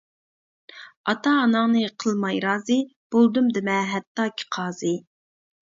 ئاتا-ئاناڭنى قىلماي رازى، بولدۇم دېمە ھەتتاكى قازى.